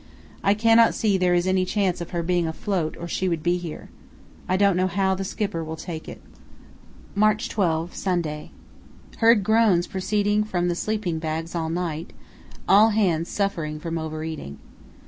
I cannot see there is any chance of her being afloat or she would be here. I don't know how the Skipper will take it. "March 12, Sunday.—Heard groans proceeding from the sleeping bags all night; all hands suffering from over eating.